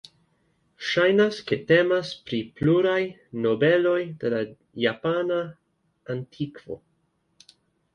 Ŝajnas ke temas pri pluraj nobeloj de la japana antikvo.